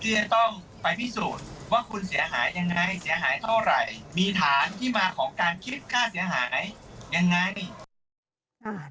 ที่จะต้องไปพิสูจน์ว่าคุณเสียหายยังไงเสียหายเท่าไหร่มีฐานที่มาของการคิดค่าเสียหายยังไง